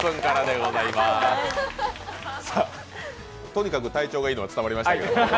とにかく体調がいいのは伝わりました。